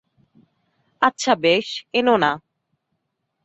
আচ্ছা বেশ, এনো না।